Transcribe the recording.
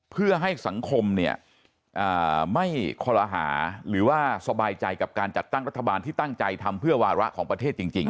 เพื่อให้สังคมเนี่ยไม่คอลหาหรือว่าสบายใจกับการจัดตั้งรัฐบาลที่ตั้งใจทำเพื่อวาระของประเทศจริง